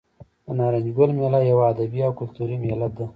د نارنج ګل میله یوه ادبي او کلتوري میله ده.